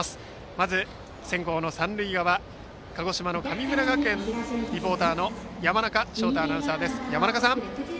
まず先攻の三塁側鹿児島の神村学園リポーターの山中翔太アナウンサーです。